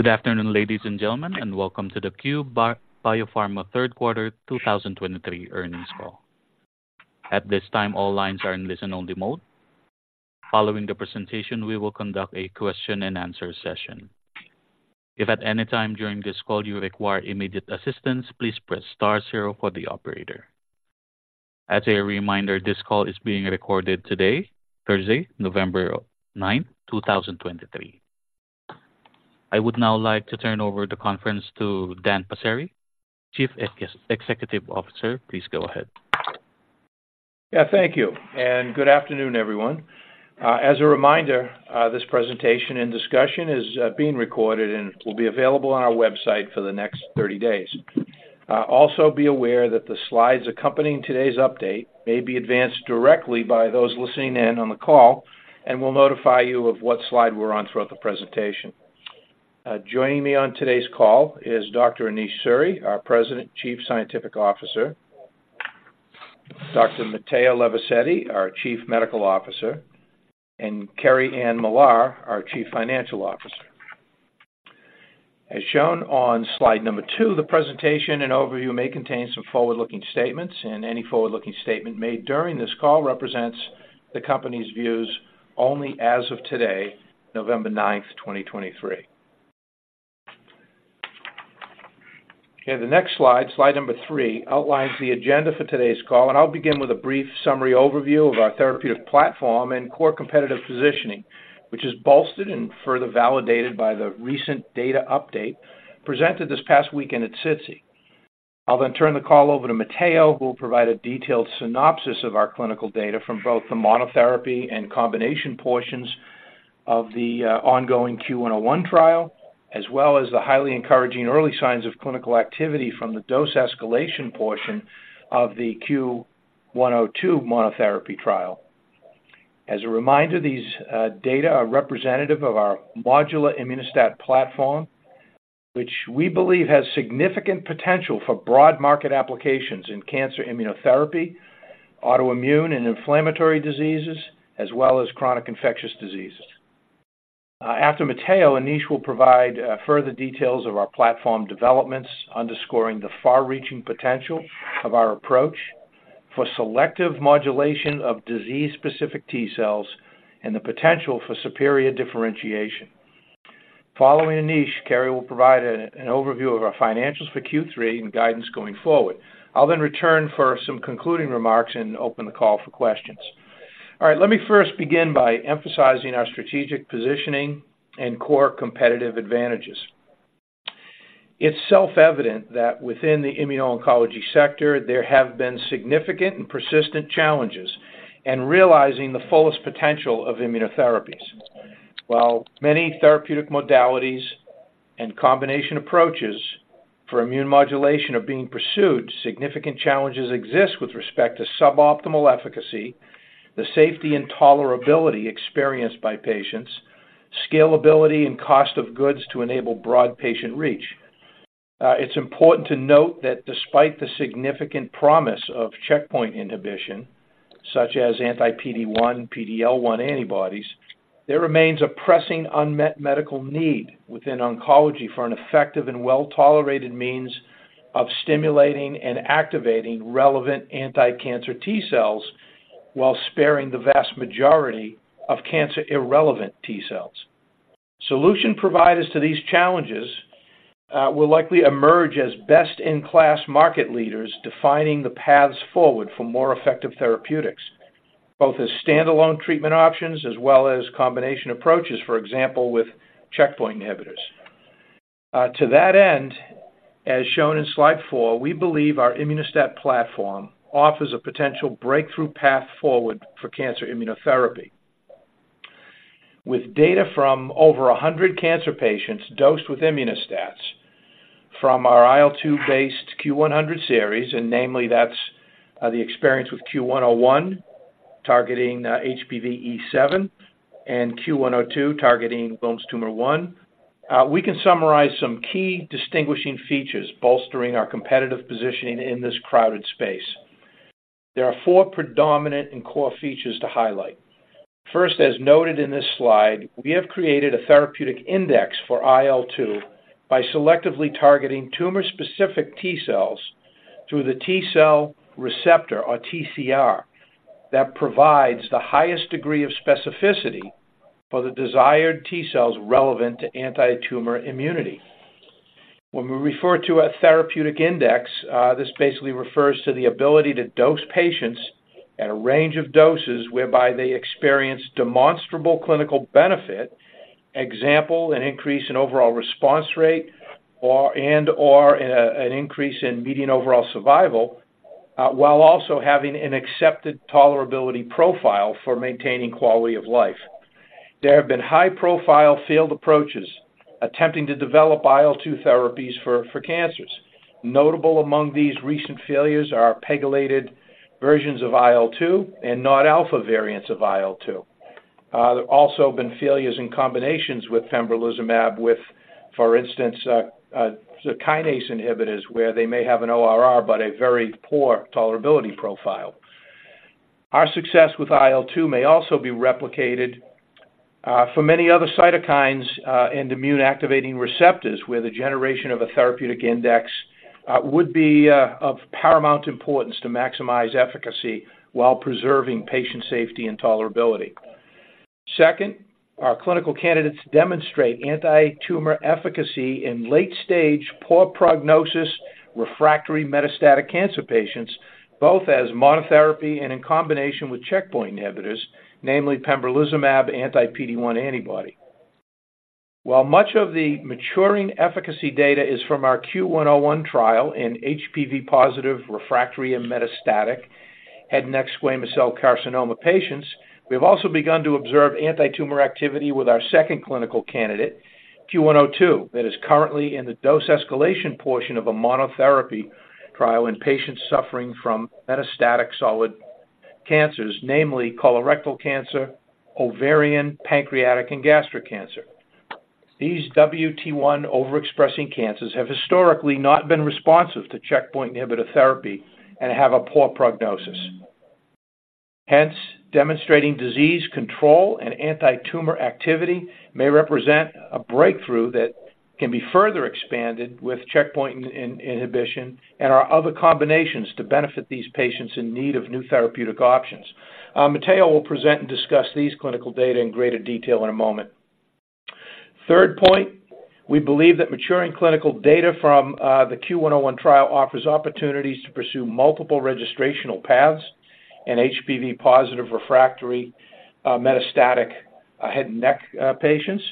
Good afternoon, ladies and gentlemen, and welcome to the Cue Biopharma third quarter 2023 earnings call. At this time, all lines are in listen-only mode. Following the presentation, we will conduct a question and answer session. If at any time during this call you require immediate assistance, please press star zero for the operator. As a reminder, this call is being recorded today, Thursday, November 9, 2023. I would now like to turn over the conference to Dan Passeri, Chief Executive Officer. Please go ahead. Yeah, thank you, and good afternoon, everyone. As a reminder, this presentation and discussion is being recorded and will be available on our website for the next 30 days. Also, be aware that the slides accompanying today's update may be advanced directly by those listening in on the call, and we'll notify you of what slide we're on throughout the presentation. Joining me on today's call is Dr. Anish Suri, our President, Chief Scientific Officer, Dr. Matteo Levisetti, our Chief Medical Officer, and Kerri-Ann Millar, our Chief Financial Officer. As shown on slide number 2, the presentation and overview may contain some forward-looking statements, and any forward-looking statement made during this call represents the Company's views only as of today, November 9, 2023. Okay, the next slide, slide number 3, outlines the agenda for today's call, and I'll begin with a brief summary overview of our therapeutic platform and core competitive positioning, which is bolstered and further validated by the recent data update presented this past weekend at SITC. I'll then turn the call over to Matteo, who will provide a detailed synopsis of our clinical data from both the monotherapy and combination portions of the ongoing CUE-101 trial, as well as the highly encouraging early signs of clinical activity from the dose escalation portion of the CUE-102 monotherapy trial. As a reminder, these data are representative of our modular Immuno-STAT platform, which we believe has significant potential for broad market applications in cancer immunotherapy, autoimmune and inflammatory diseases, as well as chronic infectious diseases. After Matteo, Anish will provide further details of our platform developments, underscoring the far-reaching potential of our approach for selective modulation of disease-specific T cells and the potential for superior differentiation. Following Anish, Kerri-Ann will provide an overview of our financials for Q3 and guidance going forward. I'll then return for some concluding remarks and open the call for questions. All right, let me first begin by emphasizing our strategic positioning and core competitive advantages. It's self-evident that within the immuno-oncology sector, there have been significant and persistent challenges in realizing the fullest potential of immunotherapies. While many therapeutic modalities and combination approaches for immune modulation are being pursued, significant challenges exist with respect to suboptimal efficacy, the safety and tolerability experienced by patients, scalability and cost of goods to enable broad patient reach. It's important to note that despite the significant promise of checkpoint inhibition, such as anti-PD-1, PD-L1 antibodies, there remains a pressing unmet medical need within oncology for an effective and well-tolerated means of stimulating and activating relevant anticancer T cells while sparing the vast majority of cancer-irrelevant T cells. Solution providers to these challenges will likely emerge as best-in-class market leaders, defining the paths forward for more effective therapeutics, both as standalone treatment options as well as combination approaches, for example, with checkpoint inhibitors. To that end, as shown in slide 4, we believe our Immuno-STAT platform offers a potential breakthrough path forward for cancer immunotherapy. With data from over 100 cancer patients dosed with Immuno-STATs from our IL-2 based CUE-100 series, and namely, that's the experience with CUE-101, targeting HPV E7 and CUE-102, targeting Wilms' tumor 1. We can summarize some key distinguishing features bolstering our competitive positioning in this crowded space. There are four predominant and core features to highlight. First, as noted in this slide, we have created a therapeutic index for IL-2 by selectively targeting tumor-specific T cells through the T cell receptor or TCR, that provides the highest degree of specificity for the desired T cells relevant to anti-tumor immunity. When we refer to a therapeutic index, this basically refers to the ability to dose patients at a range of doses whereby they experience demonstrable clinical benefit. Example, an increase in overall response rate or an increase in median overall survival, while also having an accepted tolerability profile for maintaining quality of life. There have been high-profile failed approaches attempting to develop IL-2 therapies for cancers. Notable among these recent failures are pegylated versions of IL-2 and non-alpha variants of IL-2. There have also been failures in combinations with pembrolizumab with, for instance, kinase inhibitors, where they may have an ORR, but a very poor tolerability profile. Our success with IL-2 may also be replicated for many other cytokines and immune activating receptors, where the generation of a therapeutic index would be of paramount importance to maximize efficacy while preserving patient safety and tolerability. Second, our clinical candidates demonstrate anti-tumor efficacy in late-stage, poor prognosis, refractory metastatic cancer patients, both as monotherapy and in combination with checkpoint inhibitors, namely pembrolizumab anti-PD-1 antibody. While much of the maturing efficacy data is from our CUE-101 trial in HPV-positive, refractory, and metastatic head and neck squamous cell carcinoma patients, we have also begun to observe anti-tumor activity with our second clinical candidate, CUE-102, that is currently in the dose escalation portion of a monotherapy trial in patients suffering from metastatic solid cancers, namely colorectal cancer, ovarian, pancreatic, and gastric cancer. These WT1 overexpressing cancers have historically not been responsive to checkpoint inhibitor therapy and have a poor prognosis. Hence, demonstrating disease control and anti-tumor activity may represent a breakthrough that can be further expanded with checkpoint inhibition and our other combinations to benefit these patients in need of new therapeutic options. Matteo will present and discuss these clinical data in greater detail in a moment. Third point, we believe that maturing clinical data from the CUE-101 trial offers opportunities to pursue multiple registrational paths in HPV-positive, refractory, metastatic, head and neck patients.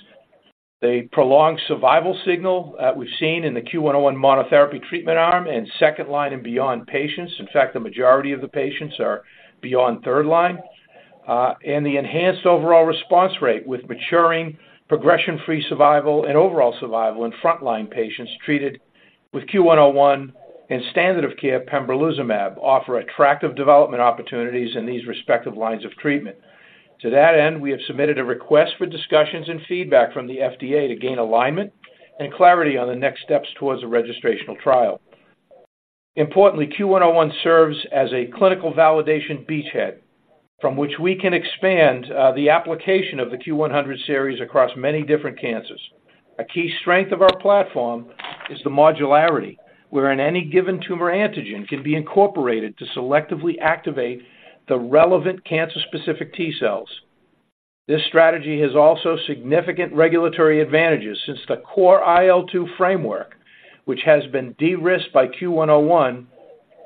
The prolonged survival signal we've seen in the CUE-101 monotherapy treatment arm in second-line and beyond patients, in fact, the majority of the patients are beyond third line. And the enhanced overall response rate with maturing progression-free survival and overall survival in frontline patients treated with CUE-101 and standard of care pembrolizumab offer attractive development opportunities in these respective lines of treatment. To that end, we have submitted a request for discussions and feedback from the FDA to gain alignment and clarity on the next steps towards a registrational trial. Importantly, CUE-101 serves as a clinical validation beachhead from which we can expand the application of the CUE-100 series across many different cancers. A key strength of our platform is the modularity, wherein any given tumor antigen can be incorporated to selectively activate the relevant cancer-specific T cells. This strategy has also significant regulatory advantages since the core IL-2 framework, which has been de-risked by CUE-101,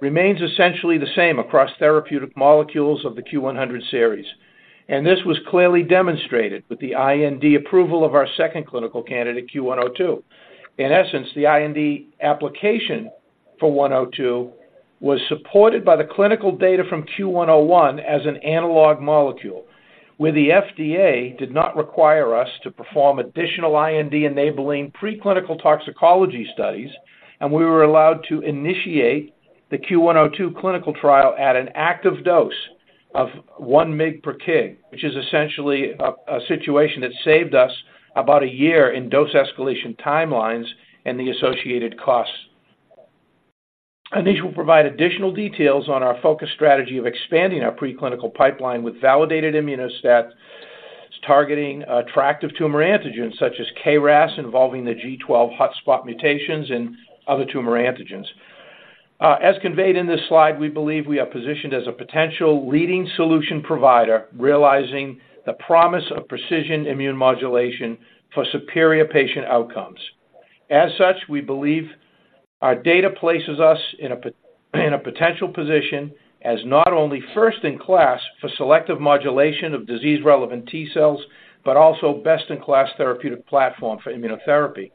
remains essentially the same across therapeutic molecules of the CUE-100 series. This was clearly demonstrated with the IND approval of our second clinical candidate, CUE-102. In essence, the IND application for CUE-102 was supported by the clinical data from CUE-101 as an analog molecule, where the FDA did not require us to perform additional IND-enabling preclinical toxicology studies, and we were allowed to initiate the CUE-102 clinical trial at an active dose of 1 mg per kg, which is essentially a situation that saved us about a year in dose escalation timelines and the associated costs. These will provide additional details on our focus strategy of expanding our preclinical pipeline with validated Immuno-STAT targeting attractive tumor antigens such as KRAS, involving the G12 hotspot mutations and other tumor antigens. As conveyed in this slide, we believe we are positioned as a potential leading solution provider, realizing the promise of precision immune modulation for superior patient outcomes. As such, we believe our data places us in a potential position as not only first in class for selective modulation of disease-relevant T cells, but also best in class therapeutic platform for immunotherapy.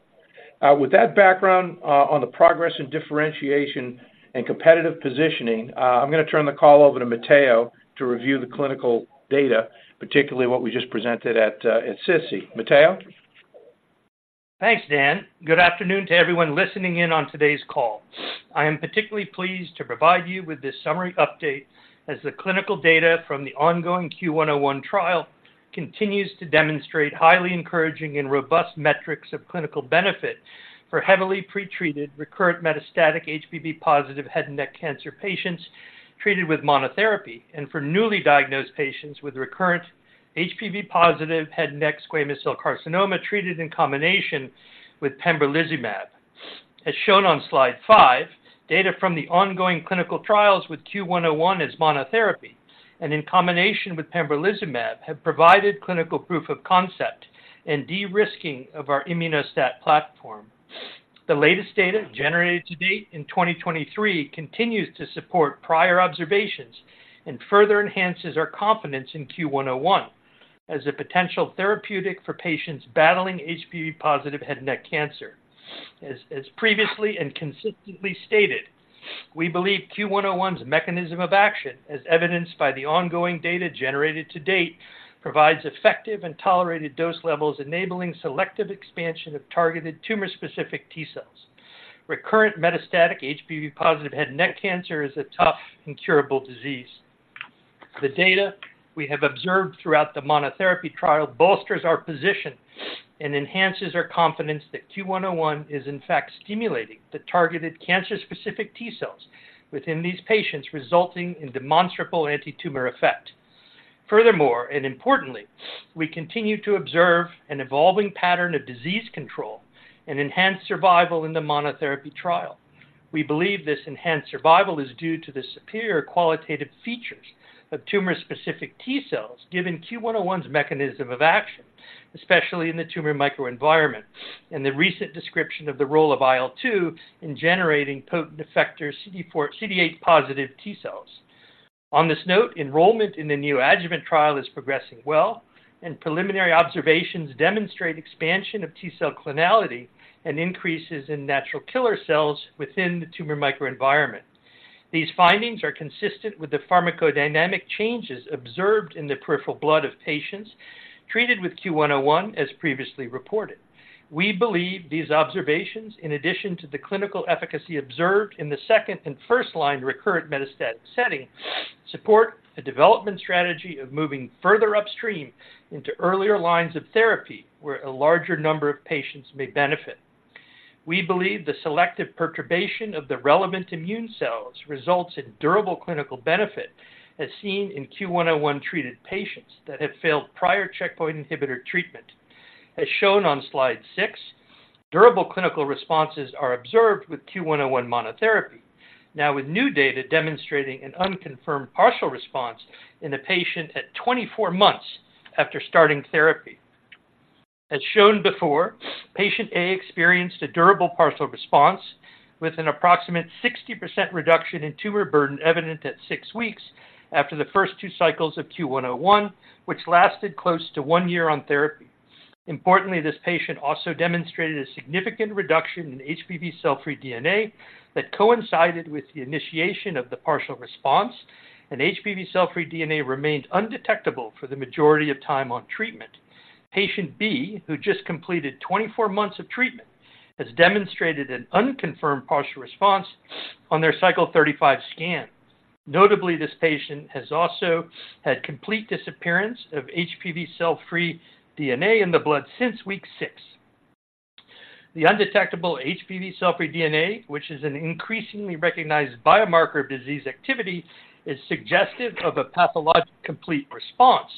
With that background on the progress and differentiation and competitive positioning, I'm gonna turn the call over to Matteo to review the clinical data, particularly what we just presented at SITC. Matteo? Thanks, Dan. Good afternoon to everyone listening in on today's call. I am particularly pleased to provide you with this summary update as the clinical data from the ongoing CUE-101 trial continues to demonstrate highly encouraging and robust metrics of clinical benefit for heavily pretreated, recurrent metastatic HPV-positive head and neck cancer patients treated with monotherapy, and for newly diagnosed patients with recurrent HPV-positive head and neck squamous cell carcinoma treated in combination with pembrolizumab. As shown on slide 5, data from the ongoing clinical trials with CUE-101 as monotherapy and in combination with pembrolizumab have provided clinical proof of concept and de-risking of our Immuno-STAT platform. The latest data generated to date in 2023 continues to support prior observations and further enhances our confidence in CUE-101 as a potential therapeutic for patients battling HPV-positive head and neck cancer. As previously and consistently stated, we believe CUE-101's mechanism of action, as evidenced by the ongoing data generated to date, provides effective and tolerated dose levels, enabling selective expansion of targeted tumor-specific T cells. Recurrent metastatic HPV positive head and neck cancer is a tough and curable disease. The data we have observed throughout the monotherapy trial bolsters our position and enhances our confidence that CUE-101 is in fact stimulating the targeted cancer-specific T cells within these patients, resulting in demonstrable antitumor effect. Furthermore, and importantly, we continue to observe an evolving pattern of disease control and enhanced survival in the monotherapy trial. We believe this enhanced survival is due to the superior qualitative features of tumor-specific T cells, given CUE-101's mechanism of action, especially in the tumor microenvironment, and the recent description of the role of IL-2 in generating potent effector CD4, CD8-positive T cells. On this note, enrollment in the neoadjuvant trial is progressing well, and preliminary observations demonstrate expansion of T cell clonality and increases in natural killer cells within the tumor microenvironment. These findings are consistent with the pharmacodynamic changes observed in the peripheral blood of patients treated with CUE-101, as previously reported. We believe these observations, in addition to the clinical efficacy observed in the second- and first-line recurrent metastatic setting, support a development strategy of moving further upstream into earlier lines of therapy, where a larger number of patients may benefit. We believe the selective perturbation of the relevant immune cells results in durable clinical benefit, as seen in CUE-101-treated patients that have failed prior checkpoint inhibitor treatment. As shown on slide 6, durable clinical responses are observed with CUE-101 monotherapy, now with new data demonstrating an unconfirmed partial response in a patient at 24 months after starting therapy. As shown before, patient A experienced a durable partial response with an approximate 60% reduction in tumor burden evident at six weeks after the first two cycles of CUE-101, which lasted close to one year on therapy. Importantly, this patient also demonstrated a significant reduction in HPV cell-free DNA that coincided with the initiation of the partial response, and HPV cell-free DNA remained undetectable for the majority of time on treatment. Patient B, who just completed 24 months of treatment, has demonstrated an unconfirmed partial response on their cycle 35 scan. Notably, this patient has also had complete disappearance of HPV cell-free DNA in the blood since week six. The undetectable HPV cell-free DNA, which is an increasingly recognized biomarker of disease activity, is suggestive of a pathologic complete response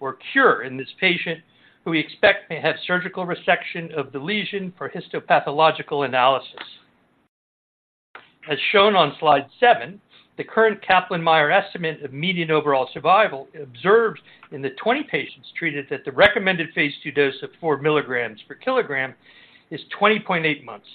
or cure in this patient, who we expect may have surgical resection of the lesion for histopathological analysis. As shown on slide 7, the current Kaplan-Meier estimate of median overall survival observed in the 20 patients treated at the recommended phase 2 dose of 4 milligrams per kilogram is 20.8 months.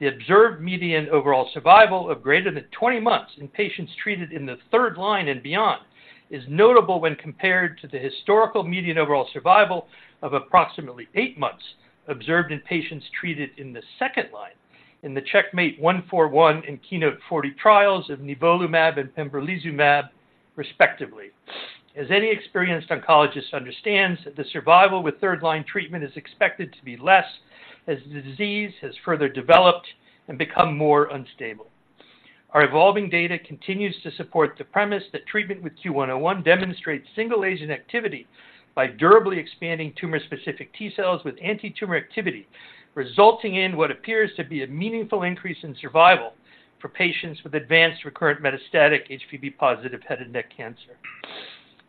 The observed median overall survival of greater than 20 months in patients treated in the third line and beyond is notable when compared to the historical median overall survival of approximately 8 months observed in patients treated in the second line in the CheckMate 141 and KEYNOTE-040 trials of nivolumab and pembrolizumab respectively. As any experienced oncologist understands, that the survival with third-line treatment is expected to be less, as the disease has further developed and become more unstable. Our evolving data continues to support the premise that treatment with CUE-101 demonstrates single-agent activity by durably expanding tumor-specific T cells with antitumor activity, resulting in what appears to be a meaningful increase in survival for patients with advanced recurrent metastatic HPV-positive head and neck cancer.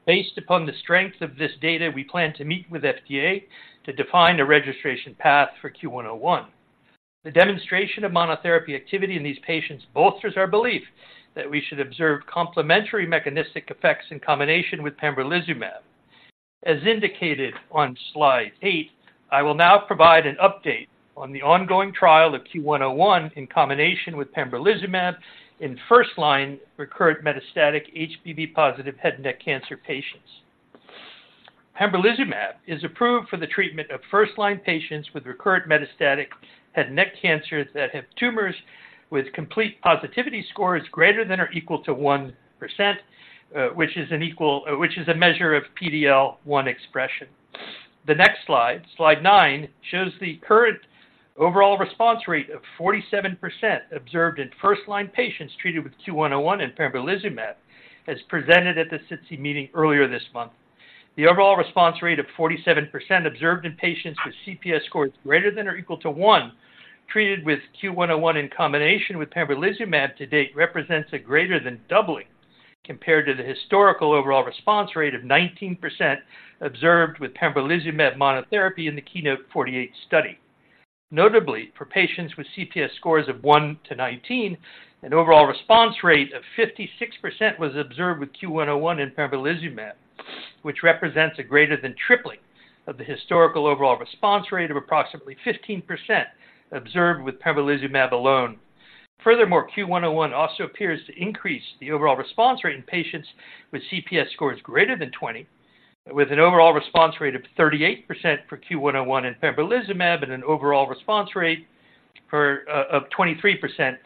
Based upon the strength of this data, we plan to meet with FDA to define a registration path for CUE-101. The demonstration of monotherapy activity in these patients bolsters our belief that we should observe complementary mechanistic effects in combination with pembrolizumab. As indicated on slide 8, I will now provide an update on the ongoing trial of CUE-101 in combination with pembrolizumab in first-line recurrent metastatic HPV-positive head and neck cancer patients. Pembrolizumab is approved for the treatment of first-line patients with recurrent metastatic head and neck cancer that have tumors with Combined Positive Scores greater than or equal to 1%, which is a measure of PD-L1 expression. The next slide, slide 9, shows the current overall response rate of 47% observed in first-line patients treated with CUE-101 and pembrolizumab, as presented at the SITC meeting earlier this month. The overall response rate of 47% observed in patients with CPS scores greater than or equal to 1, treated with CUE-101 in combination with pembrolizumab to date, represents a greater than doubling compared to the historical overall response rate of 19% observed with pembrolizumab monotherapy in the KEYNOTE-048 study. Notably, for patients with CPS scores of 1-19, an overall response rate of 56% was observed with CUE-101 and pembrolizumab, which represents a greater than tripling of the historical overall response rate of approximately 15% observed with pembrolizumab alone. Furthermore, CUE-101 also appears to increase the overall response rate in patients with CPS scores greater than 20, with an overall response rate of 38% for CUE-101 and pembrolizumab, and an overall response rate for of 23%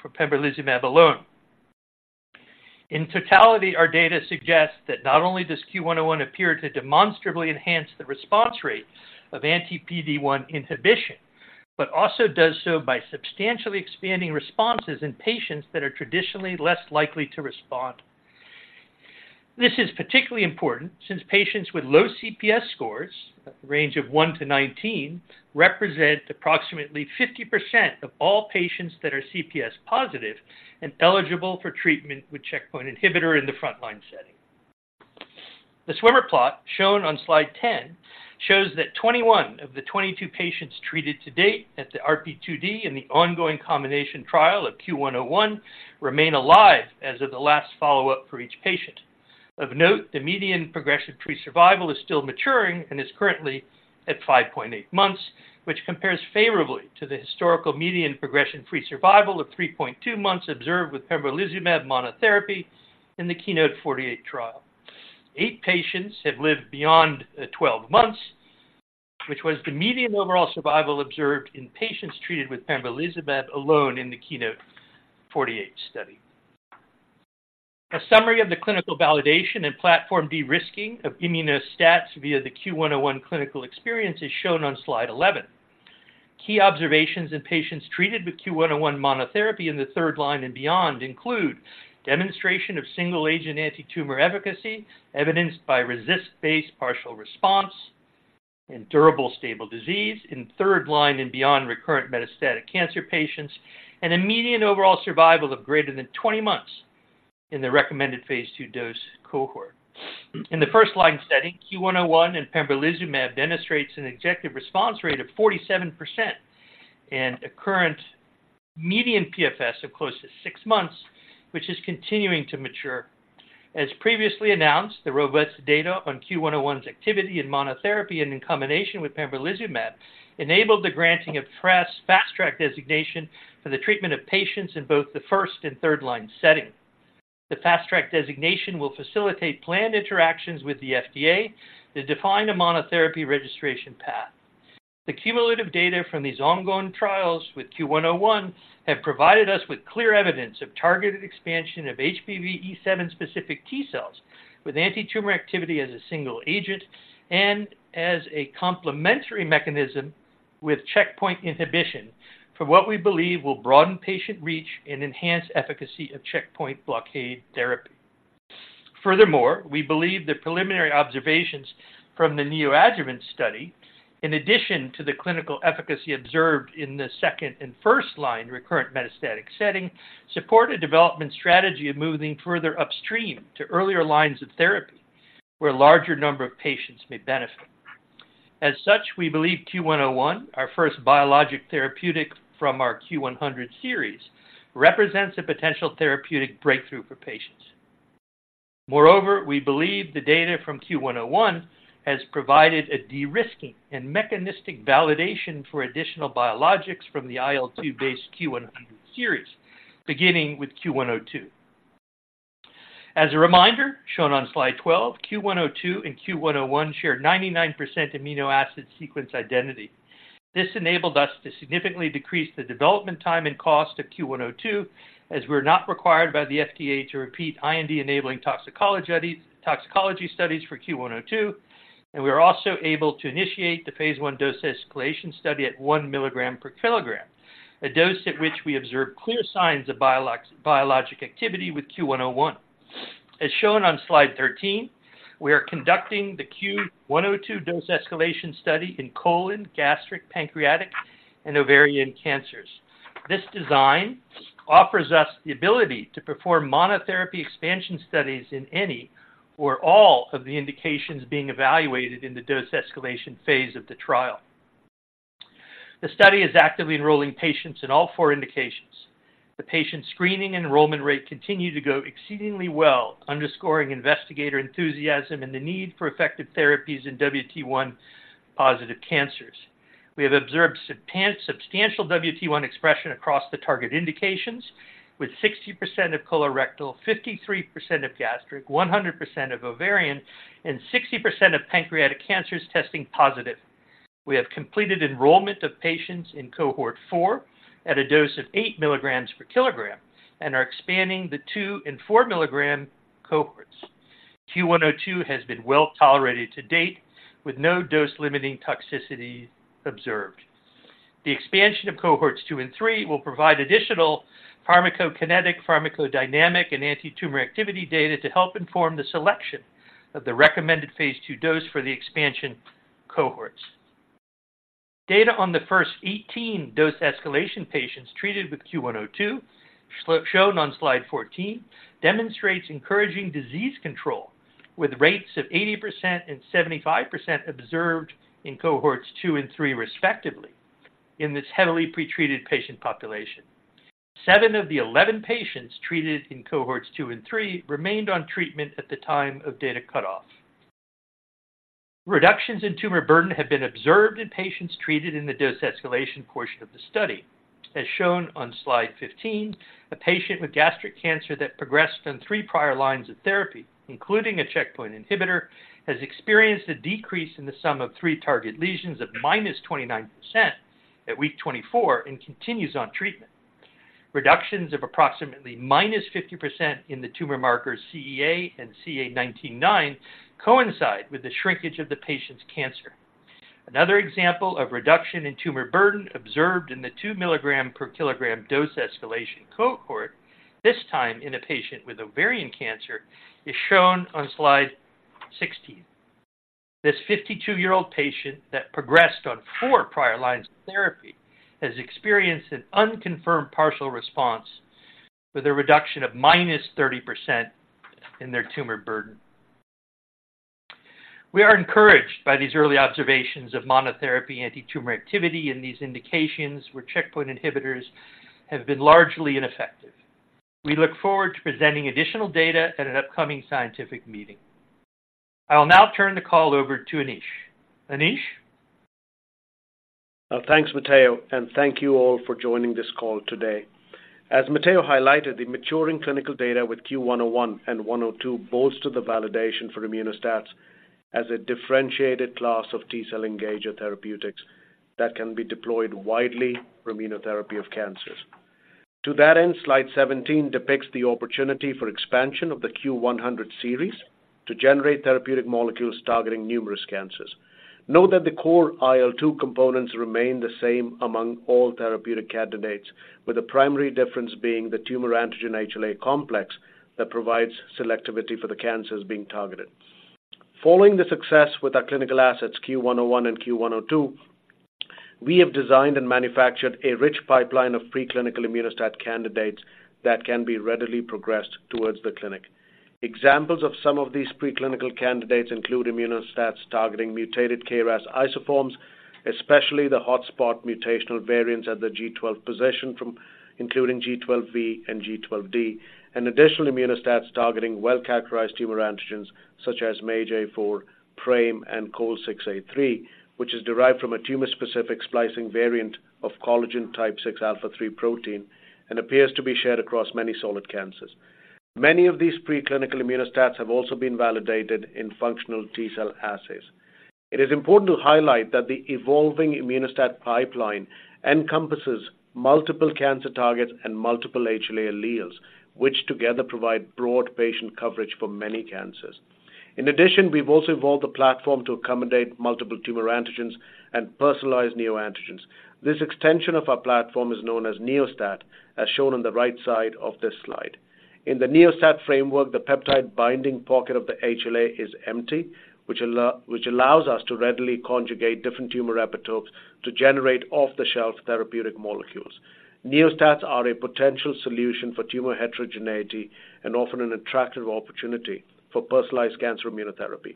for pembrolizumab alone. In totality, our data suggests that not only does CUE-101 appear to demonstrably enhance the response rate of anti-PD-1 inhibition but also does so by substantially expanding responses in patients that are traditionally less likely to respond. This is particularly important since patients with low CPS scores, a range of 1-19, represent approximately 50% of all patients that are CPS positive and eligible for treatment with checkpoint inhibitor in the frontline setting. The swimmer plot shown on slide 10 shows that 21 of the 22 patients treated to date at the RP2D in the ongoing combination trial of CUE-101 remain alive as of the last follow-up for each patient. Of note, the median progression-free survival is still maturing and is currently at 5.8 months, which compares favorably to the historical median progression-free survival of 3.2 months observed with pembrolizumab monotherapy in the KEYNOTE-048 trial. Eight patients have lived beyond twelve months, which was the median overall survival observed in patients treated with pembrolizumab alone in the KEYNOTE-048 study. A summary of the clinical validation and platform de-risking of Immuno-STAT via the CUE-101 clinical experience is shown on slide 11. Key observations in patients treated with CUE-101 monotherapy in the third line and beyond include demonstration of single-agent antitumor efficacy, evidenced by RECIST-based partial response and durable stable disease in third line and beyond recurrent metastatic cancer patients, and a median overall survival of greater than 20 months in the recommended phase 2 dose cohort. In the first line setting, CUE-101 and pembrolizumab demonstrates an objective response rate of 47% and a current median PFS of close to 6 months, which is continuing to mature. As previously announced, the robust data on CUE-101's activity in monotherapy and in combination with pembrolizumab enabled the granting of Fast Track Designation for the treatment of patients in both the first and third-line setting. The Fast Track Designation will facilitate planned interactions with the FDA to define a monotherapy registration path. The cumulative data from these ongoing trials with CUE-101 have provided us with clear evidence of targeted expansion of HPV E7 specific T cells, with antitumor activity as a single agent and as a complementary mechanism with checkpoint inhibition for what we believe will broaden patient reach and enhance efficacy of checkpoint blockade therapy. Furthermore, we believe the preliminary observations from the neoadjuvant study, in addition to the clinical efficacy observed in the second and first-line recurrent metastatic setting, support a development strategy of moving further upstream to earlier lines of therapy, where a larger number of patients may benefit. As such, we believe CUE-101, our first biologic therapeutic from our CUE-100 series, represents a potential therapeutic breakthrough for patients. Moreover, we believe the data from CUE-101 has provided a de-risking and mechanistic validation for additional biologics from the IL-2 based CUE-100 series, beginning with CUE-102. As a reminder, shown on slide 12, CUE-102 and CUE-101 share 99% amino acid sequence identity. This enabled us to significantly decrease the development time and cost of CUE-102, as we're not required by the FDA to repeat IND-enabling toxicology studies, toxicology studies for CUE-102. We are also able to initiate the phase 1 dose escalation study at 1 mg/kg, a dose at which we observe clear signs of biologic activity with CUE-101. As shown on slide 13, we are conducting the CUE-102 dose escalation study in colon, gastric, pancreatic, and ovarian cancers. This design offers us the ability to perform monotherapy expansion studies in any or all of the indications being evaluated in the dose escalation phase of the trial. The study is actively enrolling patients in all four indications. The patient screening and enrollment rate continue to go exceedingly well, underscoring investigator enthusiasm and the need for effective therapies in WT1-positive cancers. We have observed substantial WT1 expression across the target indications, with 60% of colorectal, 53% of gastric, 100% of ovarian, and 60% of pancreatic cancers testing positive. We have completed enrollment of patients in cohort 4 at a dose of 8 milligrams per kilogram and are expanding the 2- and 4-milligram cohorts. CUE-102 has been well tolerated to date, with no dose-limiting toxicity observed. The expansion of cohorts 2 and 3 will provide additional pharmacokinetic, pharmacodynamic, and antitumor activity data to help inform the selection of the recommended phase 2 dose for the expansion cohorts. Data on the first 18 dose escalation patients treated with CUE-102, shown on slide 14, demonstrates encouraging disease control, with rates of 80% and 75% observed in cohorts 2 and 3, respectively, in this heavily pretreated patient population. Seven of the 11 patients treated in cohorts 2 and 3 remained on treatment at the time of data cutoff. Reductions in tumor burden have been observed in patients treated in the dose escalation portion of the study. As shown on slide 15, a patient with gastric cancer that progressed on 3 prior lines of therapy, including a checkpoint inhibitor, has experienced a decrease in the sum of three target lesions of -29% at week 24 and continues on treatment. Reductions of approximately -50% in the tumor markers CEA and CA19-9 coincide with the shrinkage of the patient's cancer. Another example of reduction in tumor burden observed in the 2 mg/kg dose escalation cohort, this time in a patient with ovarian cancer, is shown on slide 16. This 52-year-old patient that progressed on 4 prior lines of therapy, has experienced an unconfirmed partial response with a reduction of -30% in their tumor burden. We are encouraged by these early observations of monotherapy antitumor activity in these indications, where checkpoint inhibitors have been largely ineffective. We look forward to presenting additional data at an upcoming scientific meeting. I will now turn the call over to Anish. Anish? Thanks, Matteo, and thank you all for joining this call today. As Matteo highlighted, the maturing clinical data with CUE-101 and CUE-102 bolster the validation for Immuno-STATs as a differentiated class of T cell engager therapeutics that can be deployed widely for immunotherapy of cancers. To that end, slide 17 depicts the opportunity for expansion of the CUE-100 series to generate therapeutic molecules targeting numerous cancers. Note that the core IL-2 components remain the same among all therapeutic candidates, with the primary difference being the tumor antigen HLA complex that provides selectivity for the cancers being targeted. Following the success with our clinical assets, CUE-101 and CUE-102, we have designed and manufactured a rich pipeline of preclinical Immuno-STAT candidates that can be readily progressed towards the clinic. Examples of some of these preclinical candidates include Immuno-STATs targeting mutated KRAS isoforms, especially the hotspot mutational variants at the G12 position from including G12V and G12D, and additional Immuno-STATs targeting well-characterized tumor antigens such as MAGE-A4, PRAME, and COL6A3, which is derived from a tumor-specific splicing variant of collagen type six alpha three protein and appears to be shared across many solid cancers. Many of these preclinical Immuno-STATs have also been validated in functional T cell assays. It is important to highlight that the evolving Immuno-STAT pipeline encompasses multiple cancer targets and multiple HLA alleles, which together provide broad patient coverage for many cancers. In addition, we've also evolved the platform to accommodate multiple tumor antigens and personalized neoantigens. This extension of our platform is known as Neo-STAT, as shown on the right side of this slide. In the Neo-STAT framework, the peptide binding pocket of the HLA is empty, which allows us to readily conjugate different tumor epitopes to generate off-the-shelf therapeutic molecules. Neo-STATs are a potential solution for tumor heterogeneity and offer an attractive opportunity for personalized cancer immunotherapy.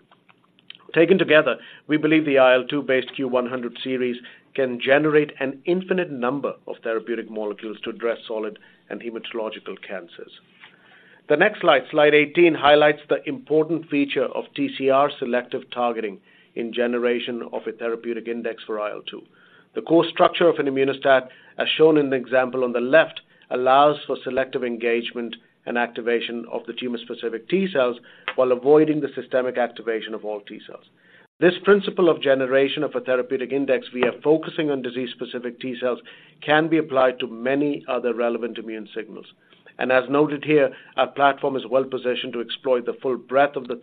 Taken together, we believe the IL-2-based CUE-100 series can generate an infinite number of therapeutic molecules to address solid and hematological cancers. The next slide, slide 18, highlights the important feature of TCR selective targeting in generation of a therapeutic index for IL-2. The core structure of an Immuno-STAT, as shown in the example on the left, allows for selective engagement and activation of the tumor-specific T cells while avoiding the systemic activation of all T cells. This principle of generation of a therapeutic index via focusing on disease-specific T cells can be applied to many other relevant immune signals. As noted here, our platform is well positioned to exploit the full breadth of the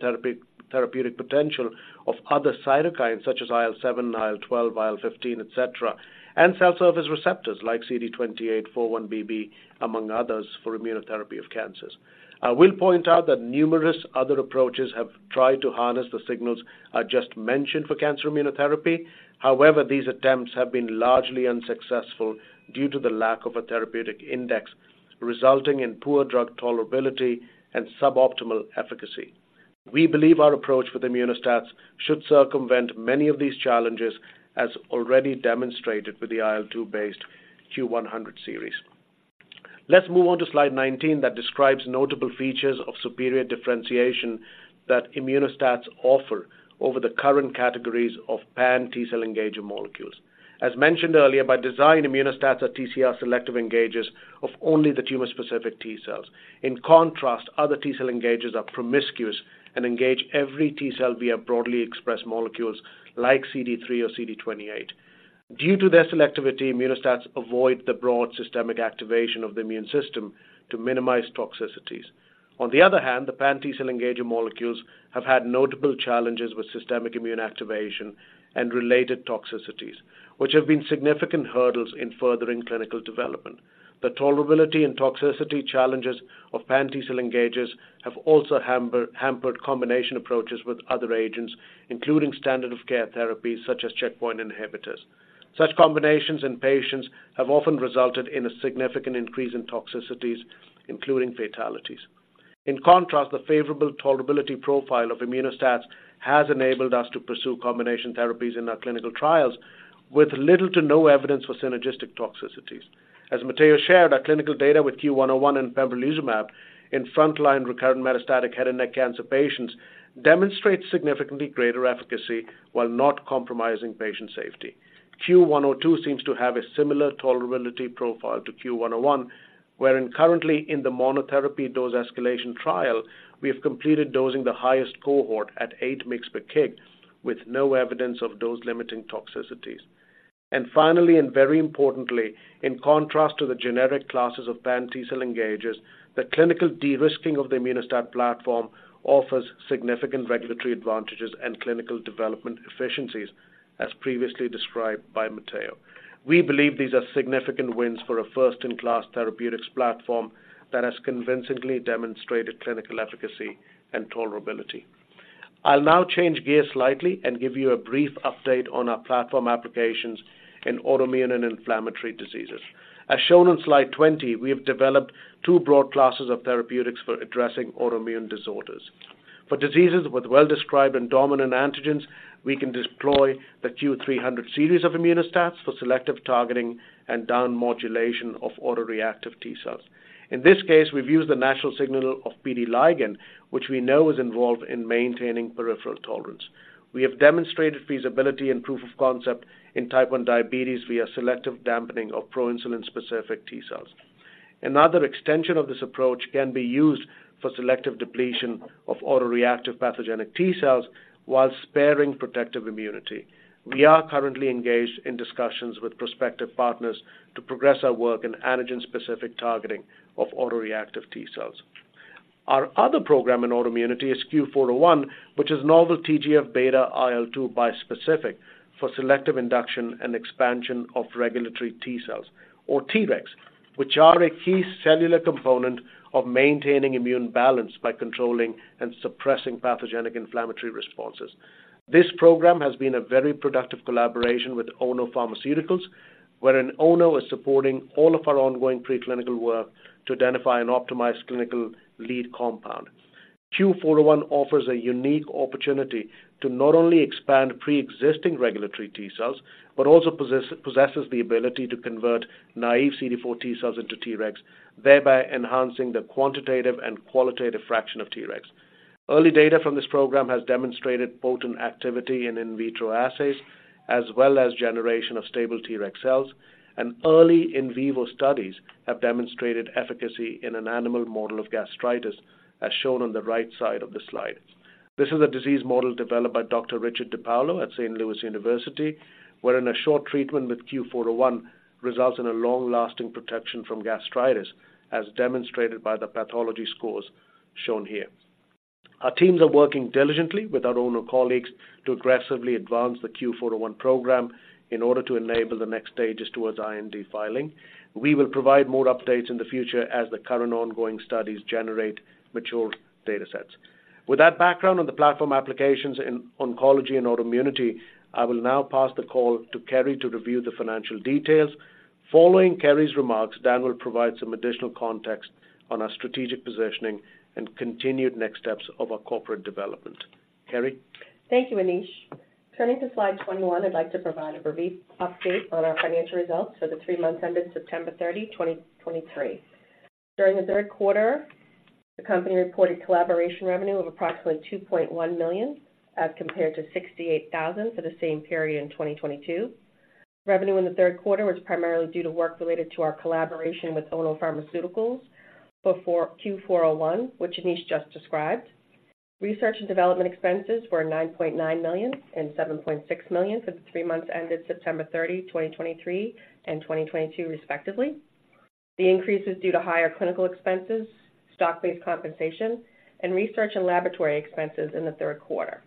therapeutic potential of other cytokines such as IL-7, IL-12, IL-15, et cetera, and cell surface receptors like CD28, 4-1BB, among others, for immunotherapy of cancers. I will point out that numerous other approaches have tried to harness the signals I just mentioned for cancer immunotherapy. However, these attempts have been largely unsuccessful due to the lack of a therapeutic index, resulting in poor drug tolerability and suboptimal efficacy. We believe our approach with Immuno-STATs should circumvent many of these challenges, as already demonstrated with the IL-2-based CUE-100 series. Let's move on to slide 19, that describes notable features of superior differentiation that Immuno-STATs offer over the current categories of pan-T cell engager molecules. As mentioned earlier, by design, Immuno-STATs are TCR selective engagers of only the tumor-specific T cells. In contrast, other T cell engagers are promiscuous and engage every T cell via broadly expressed molecules like CD3 or CD28. Due to their selectivity, Immuno-STATs avoid the broad systemic activation of the immune system to minimize toxicities. On the other hand, the pan-T cell engager molecules have had notable challenges with systemic immune activation and related toxicities, which have been significant hurdles in furthering clinical development. The tolerability and toxicity challenges of pan-T cell engagers have also hampered combination approaches with other agents, including standard-of-care therapies such as checkpoint inhibitors. Such combinations in patients have often resulted in a significant increase in toxicities, including fatalities. In contrast, the favorable tolerability profile of Immuno-STATs has enabled us to pursue combination therapies in our clinical trials with little to no evidence for synergistic toxicities. As Matteo shared, our clinical data with CUE-101 and pembrolizumab in frontline recurrent metastatic head and neck cancer patients demonstrates significantly greater efficacy while not compromising patient safety. CUE-102 seems to have a similar tolerability profile to CUE-101, wherein currently in the monotherapy dose escalation trial, we have completed dosing the highest cohort at 8 mg per kg, with no evidence of dose-limiting toxicities. And finally, and very importantly, in contrast to the generic classes of pan-T cell engagers, the clinical de-risking of the Immuno-STAT platform offers significant regulatory advantages and clinical development efficiencies, as previously described by Matteo. We believe these are significant wins for a first-in-class therapeutics platform that has convincingly demonstrated clinical efficacy and tolerability. I'll now change gear slightly and give you a brief update on our platform applications in autoimmune and inflammatory diseases. As shown on slide 20, we have developed two broad classes of therapeutics for addressing autoimmune disorders. For diseases with well-described and dominant antigens, we can deploy the CUE-300 series of Immuno-STATs for selective targeting and down modulation of autoreactive T cells. In this case, we've used the natural signal of PD-L1, which we know is involved in maintaining peripheral tolerance. We have demonstrated feasibility and proof of concept in type 1 diabetes via selective dampening of proinsulin-specific T cells. Another extension of this approach can be used for selective depletion of autoreactive pathogenic T cells while sparing protective immunity. We are currently engaged in discussions with prospective partners to progress our work in antigen-specific targeting of autoreactive T cells. Our other program in autoimmunity is CUE-401, which is novel TGF-beta IL-2 bispecific for selective induction and expansion of regulatory T cells, or Tregs, which are a key cellular component of maintaining immune balance by controlling and suppressing pathogenic inflammatory responses. This program has been a very productive collaboration with Ono Pharmaceutical, wherein Ono is supporting all of our ongoing preclinical work to identify and optimize clinical lead compound. CUE-401 offers a unique opportunity to not only expand pre-existing regulatory T cells, but also possesses the ability to convert naive CD4 T cells into Tregs, thereby enhancing the quantitative and qualitative fraction of Tregs. Early data from this program has demonstrated potent activity in in vitro assays, as well as generation of stable Treg cells, and early in vivo studies have demonstrated efficacy in an animal model of gastritis, as shown on the right side of the slide. This is a disease model developed by Dr. Richard DiPaolo at St. Louis University, wherein a short treatment with CUE-401 results in a long-lasting protection from gastritis, as demonstrated by the pathology scores shown here. Our teams are working diligently with our Ono colleagues to aggressively advance the CUE-401 program in order to enable the next stages towards IND filing. We will provide more updates in the future as the current ongoing studies generate mature data sets. With that background on the platform applications in oncology and autoimmunity, I will now pass the call to Kerri to review the financial details. Following Kerri's remarks, Dan will provide some additional context on our strategic positioning and continued next steps of our corporate development. Kerri? Thank you, Anish. Turning to slide 21, I'd like to provide a brief update on our financial results for the three months ended September 30, 2023. During the third quarter, the company reported collaboration revenue of approximately $2.1 million, as compared to $68,000 for the same period in 2022. Revenue in the third quarter was primarily due to work related to our collaboration with Ono Pharmaceutical for CUE-401, which Anish just described. Research and development expenses were $9.9 million and $7.6 million for the three months ended September 30, 2023 and 2022, respectively. The increase is due to higher clinical expenses, stock-based compensation, and research and laboratory expenses in the third quarter.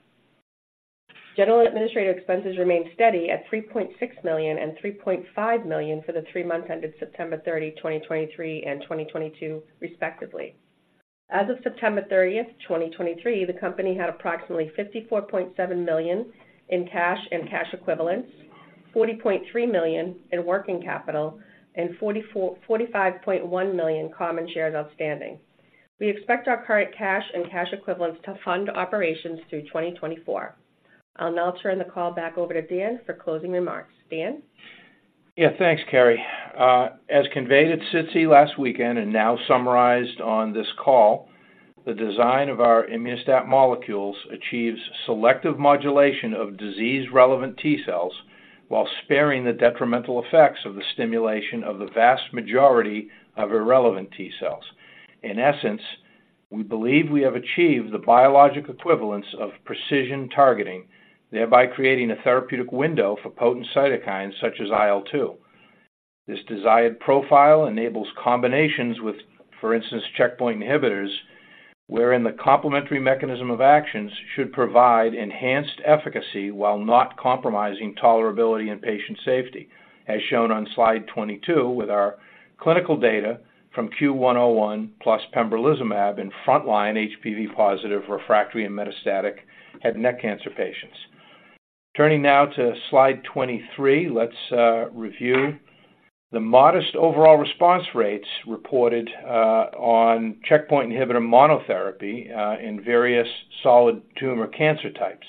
General administrative expenses remained steady at $3.6 million and $3.5 million for the three months ended September 30, 2023 and 2022, respectively. As of September 30, 2023, the company had approximately $54.7 million in cash and cash equivalents, $40.3 million in working capital, and 45.1 million common shares outstanding. We expect our current cash and cash equivalents to fund operations through 2024. I'll now turn the call back over to Dan for closing remarks. Dan? Yeah, thanks, Kerri. As conveyed at SITC last weekend, and now summarized on this call, the design of our Immuno-STAT molecules achieves selective modulation of disease-relevant T cells, while sparing the detrimental effects of the stimulation of the vast majority of irrelevant T cells. In essence, we believe we have achieved the biologic equivalence of precision targeting, thereby creating a therapeutic window for potent cytokines such as IL-2. This desired profile enables combinations with, for instance, checkpoint inhibitors, wherein the complementary mechanism of actions should provide enhanced efficacy while not compromising tolerability and patient safety, as shown on slide 22 with our clinical data from CUE-101 plus pembrolizumab in frontline HPV-positive, refractory, and metastatic head and neck cancer patients. Turning now to slide 23, let's review the modest overall response rates reported on checkpoint inhibitor monotherapy in various solid tumor cancer types.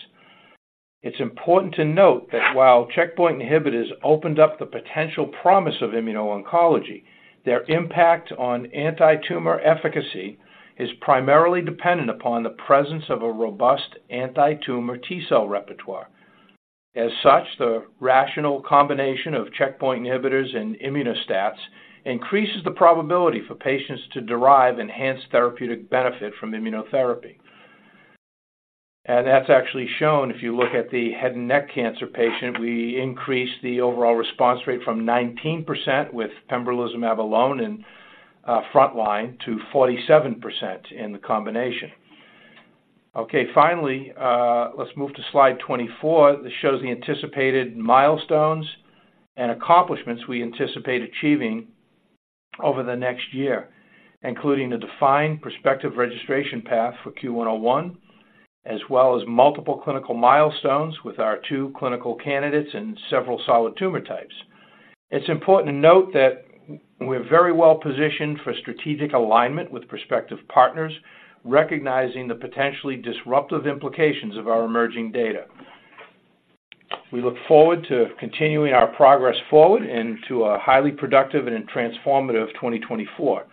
It's important to note that while checkpoint inhibitors opened up the potential promise of immuno-oncology, their impact on antitumor efficacy is primarily dependent upon the presence of a robust antitumor T cell repertoire. As such, the rational combination of checkpoint inhibitors and Immuno-STATs increases the probability for patients to derive enhanced therapeutic benefit from immunotherapy. That's actually shown. If you look at the head and neck cancer patient, we increased the overall response rate from 19% with pembrolizumab alone in frontline to 47% in the combination. Okay, finally, let's move to slide 24. This shows the anticipated milestones and accomplishments we anticipate achieving over the next year, including a defined prospective registration path for CUE-101, as well as multiple clinical milestones with our two clinical candidates in several solid tumor types. It's important to note that we're very well positioned for strategic alignment with prospective partners, recognizing the potentially disruptive implications of our emerging data. We look forward to continuing our progress forward into a highly productive and transformative 2024.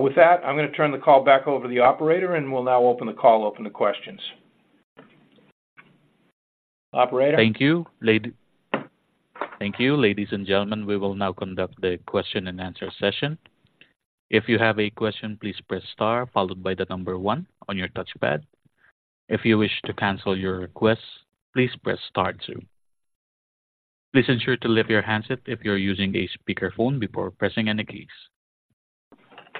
With that, I'm going to turn the call back over to the operator, and we'll now open the call, open the questions. Operator? Thank you, lady. Thank you. Ladies and gentlemen, we will now conduct the question and answer session. If you have a question, please press star followed by the number one on your touchpad. If you wish to cancel your request, please press star two. Please ensure to leave your handset if you're using a speakerphone before pressing any keys.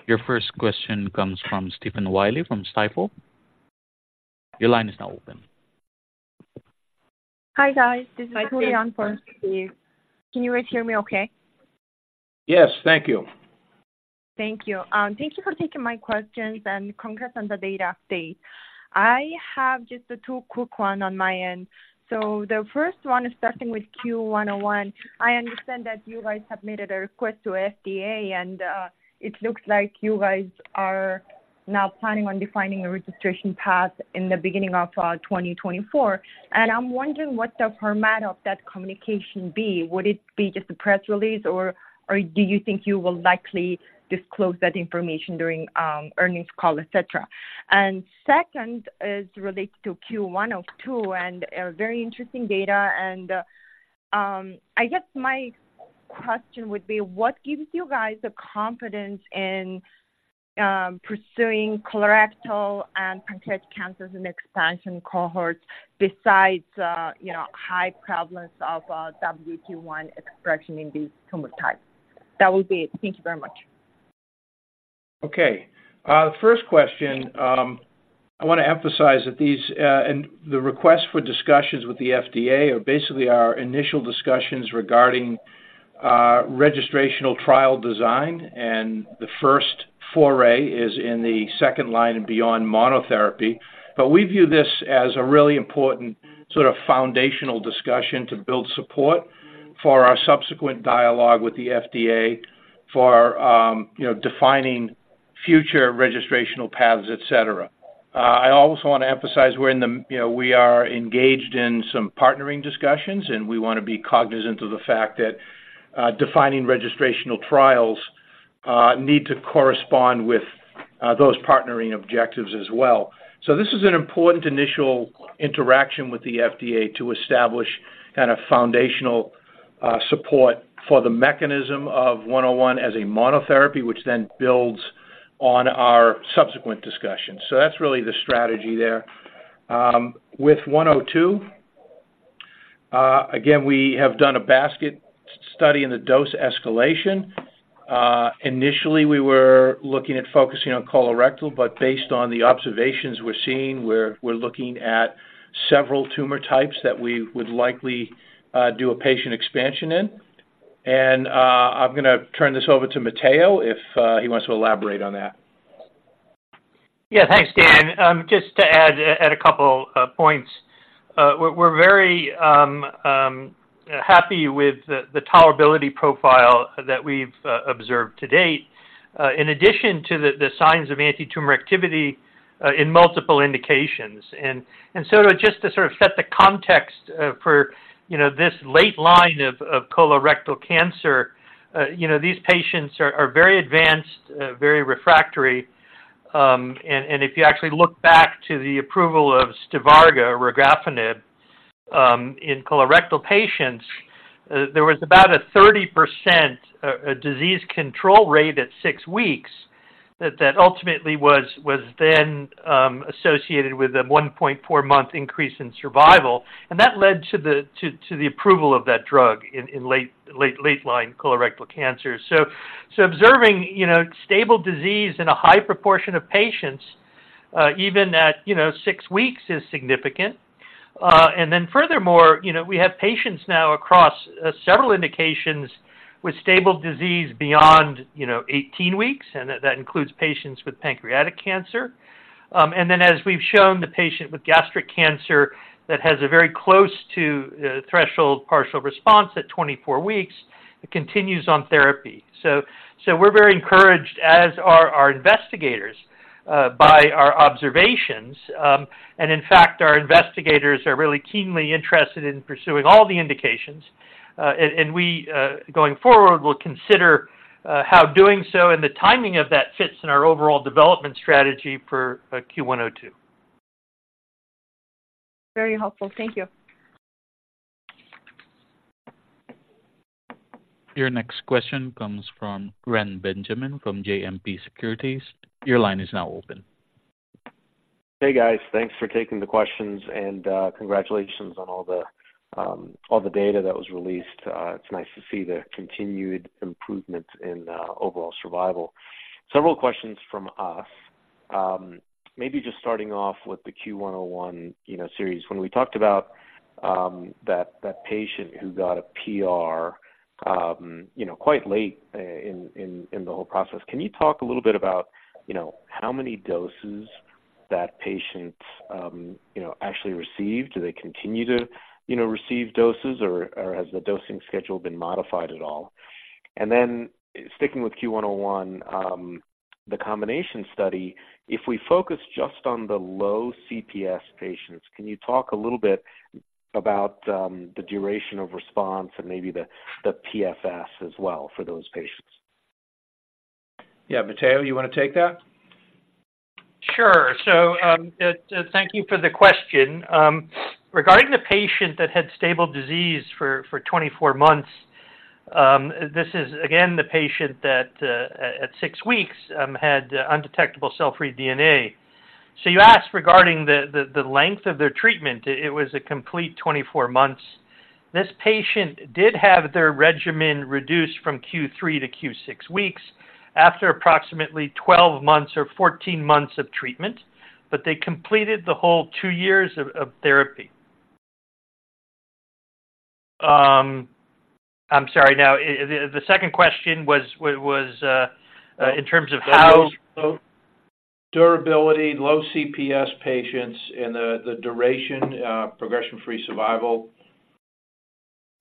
Your first question comes from Stephen Willey from Stifel. Your line is now open. Hi, guys. This is Julian from Stifel. Can you guys hear me okay? Yes, thank you. Thank you. Thank you for taking my questions, and congrats on the data update. I have just the two quick one on my end. So the first one is starting with CUE-101. I understand that you guys submitted a request to FDA, and, it looks like you guys are now planning on defining a registration path in the beginning of, 2024. And I'm wondering what the format of that communication be. Would it be just a press release, or, or do you think you will likely disclose that information during, earnings call, et cetera? And second is related to CUE-102 and a very interesting data. And, I guess my question would be, what gives you guys the confidence in, pursuing colorectal and pancreatic cancers and expansion cohorts besides, you know, high prevalence of, WT1 expression in these tumor types? That would be it. Thank you very much. Okay, first question, I want to emphasize that these and the request for discussions with the FDA are basically our initial discussions regarding registrational trial design, and the first foray is in the second line and beyond monotherapy. But we view this as a really important sort of foundational discussion to build support for our subsequent dialogue with the FDA for, you know, defining future registrational paths, et cetera. I also want to emphasize we're in the, you know, we are engaged in some partnering discussions, and we want to be cognizant of the fact that defining registrational trials need to correspond with those partnering objectives as well. So this is an important initial interaction with the FDA to establish kind of foundational support for the mechanism of 101 as a monotherapy, which then builds on our subsequent discussions. So that's really the strategy there. With 102, again, we have done a basket study in the dose escalation. Initially, we were looking at focusing on colorectal, but based on the observations we're seeing, we're looking at several tumor types that we would likely do a patient expansion in. And I'm gonna turn this over to Matteo if he wants to elaborate on that. Yeah. Thanks, Dan. Just to add a couple of points. We're very happy with the tolerability profile that we've observed to date, in addition to the signs of antitumor activity in multiple indications. And so just to sort of set the context, for you know, this late line of colorectal cancer, you know, these patients are very advanced, very refractory. And if you actually look back to the approval of Stivarga, regorafenib, in colorectal patients, there was about a 30% disease control rate at six weeks that ultimately was then associated with a 1.4-month increase in survival, and that led to the approval of that drug in late line colorectal cancer. So, observing, you know, stable disease in a high proportion of patients, even at, you know, 6 weeks is significant. And then furthermore, you know, we have patients now across several indications with stable disease beyond, you know, 18 weeks, and that includes patients with pancreatic cancer. And then, as we've shown, the patient with gastric cancer that has a very close to threshold partial response at 24 weeks, it continues on therapy. So, we're very encouraged, as are our investigators, by our observations. In fact, our investigators are really keenly interested in pursuing all the indications. And we, going forward, will consider how doing so and the timing of that fits in our overall development strategy for CUE-102. Very helpful. Thank you. Your next question comes from Reni Benjamin from JMP Securities. Your line is now open. Hey, guys. Thanks for taking the questions, and congratulations on all the data that was released. It's nice to see the continued improvement in overall survival. Several questions from us. Maybe just starting off with the CUE-101 series. When we talked about that patient who got a PR quite late in the whole process, can you talk a little bit about how many doses that patient actually received? Do they continue to receive doses or has the dosing schedule been modified at all? And then sticking with CUE-101, the combination study, if we focus just on the low CPS patients, can you talk a little bit about the duration of response and maybe the PFS as well for those patients? Yeah, Matteo, you wanna take that? Sure. So, thank you for the question. Regarding the patient that had stable disease for 24 months, this is again the patient that at 6 weeks had undetectable cell-free DNA. So you asked regarding the length of their treatment. It was a complete 24 months. This patient did have their regimen reduced from Q3 to Q6 weeks after approximately 12 months or 14 months of treatment, but they completed the whole 2 years of therapy. I'm sorry. Now, the second question was in terms of how- Durability, low CPS patients and the duration, progression-free survival.